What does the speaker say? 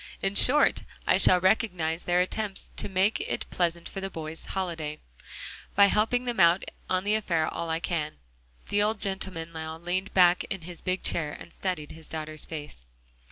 In short, I shall recognize their attempt to make it pleasant for the boys' holiday, by helping them out on the affair all I can." The old gentleman now leaned back in his big chair and studied his daughter's face.